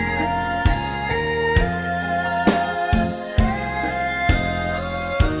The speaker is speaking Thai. ขอบคุณครับ